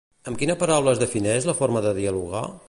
Amb quina paraula es defineix la forma de dialogar?